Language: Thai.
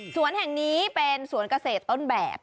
แห่งนี้เป็นสวนเกษตรต้นแบบ